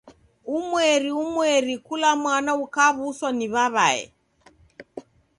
Umweri umweri kula mwana ukaw'uswa ni w'aw'ae.